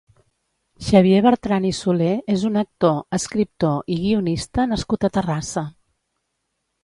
Xavier Bertran i Solé és un actor, escriptor i guionista nascut a Terrassa.